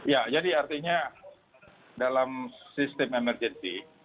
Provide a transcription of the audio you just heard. ya jadi artinya dalam sistem emergency